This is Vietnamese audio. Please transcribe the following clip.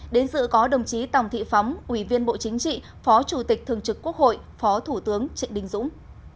đến dự có đồng chí tòng thị phóng ủy viên bộ chính trị phó chủ tịch thường trực quốc hội phó thủ tướng trịnh đình dũng